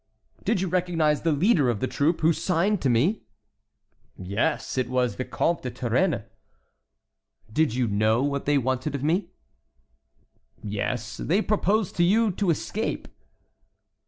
"Did you recognize the leader of the troop who signed to me?" "Yes, it was the Vicomte de Turenne." "Did you know what they wanted of me?" "Yes, they proposed to you to escape."